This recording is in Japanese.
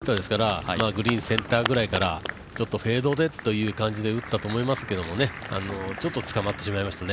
よかったですね、彼はフェードヒッターですからグリーンセンターぐらいからちょっとフェードでという感じで打ったと思いますけどちょっとつかまってしまいましたね。